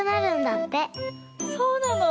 そうなの？